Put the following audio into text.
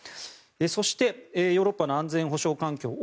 そして、ヨーロッパの安全保障環境が